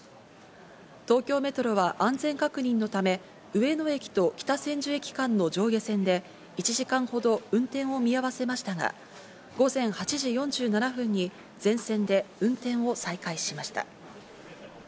東京メトロは安全確認のため上野駅と北千住駅間の上下線で１時間ほど運転を見合わせましたが、午前８時４７分に全線で運転を再開しました。